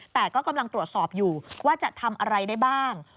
แต่ก็กำลังตรวจสอบอยู่ว่าจะทำอะไรได้บ้าง